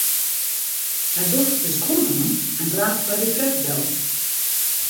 Hy docht de skuon oan en draaft by de trep del.